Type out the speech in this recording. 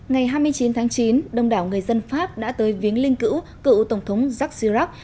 ngày hai mươi chín tháng chín đông đảo người dân pháp đã tới viếng linh cử cựu tổng thống jacques girard